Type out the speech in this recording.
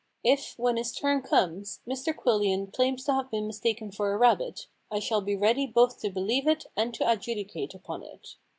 If, when his turn comes, Mr Quillian claims to have been mistaken for a rabbit, I shall be ready both to believe it and to adjudicate upon it.